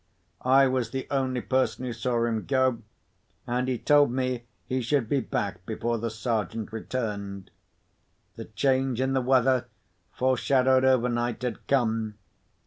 I was the only person who saw him go; and he told me he should be back before the Sergeant returned. The change in the weather, foreshadowed overnight, had come.